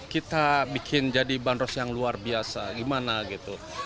kita bikin jadi bandros yang luar biasa gimana gitu